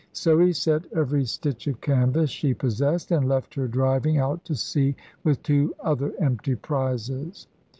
So he set every stitch of canvas she possessed and left her driving out to sea with two other empty prizes.